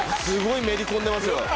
すごいめり込んでますよ。